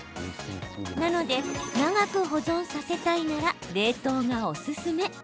なので、長く保存させたいなら冷凍がおすすめ。